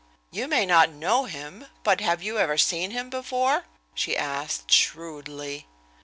"You may not know him, but have you ever seen him before?" she asked, shrewdly.